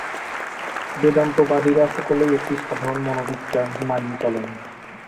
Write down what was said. বেদান্তবাদীরা সকলেই একটি সাধারণ মনোবিজ্ঞান মানিয়া চলেন।